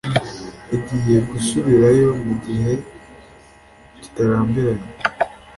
agiye gusubirayo mu gihe kitarambiranye